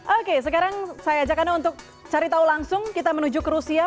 oke sekarang saya ajak anda untuk cari tahu langsung kita menuju ke rusia